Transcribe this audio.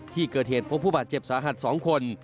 ที่เกิดเหตุพบผู้บาดเจ็บสาหัส๒คน